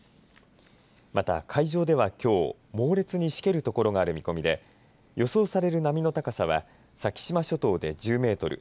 また、海上ではきょう猛烈にしける所がある見込みで予想される波の高さは先島諸島で１０メートル